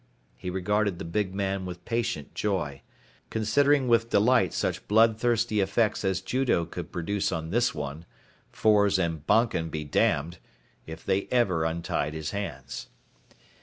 He regarded the big man with patient joy, considering with delight such bloodthirsty effects as judo could produce on this one Fors and Bonken be damned if they ever untied his hands.